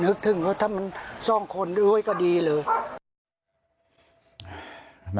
นึกถึงว่าถ้ามันซ่องคนด้วยก็ดีนะ